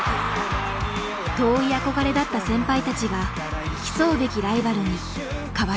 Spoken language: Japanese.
遠い憧れだった先輩たちが競うべきライバルに変わる。